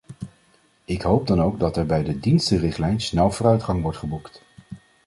Ik hoop dan ook dat er bij de dienstenrichtlijn snel vooruitgang wordt geboekt.